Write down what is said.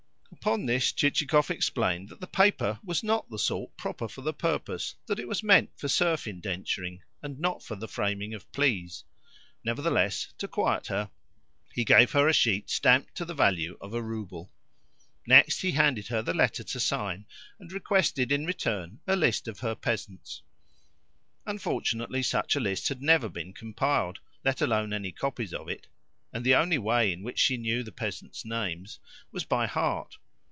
Upon this Chichikov explained that the paper was not the sort proper for the purpose that it was meant for serf indenturing, and not for the framing of pleas. Nevertheless, to quiet her, he gave her a sheet stamped to the value of a rouble. Next, he handed her the letter to sign, and requested, in return, a list of her peasants. Unfortunately, such a list had never been compiled, let alone any copies of it, and the only way in which she knew the peasants' names was by heart.